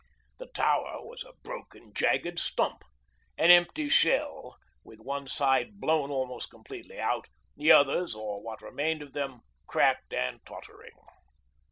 The tower was a broken, jagged, stump an empty shell, with one side blown almost completely out; the others, or what remained of them, cracked and tottering.